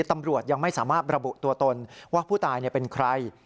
ตำรวจยังไม่สามารถระบุตัวตนว่าผู้ตายเป็นใคร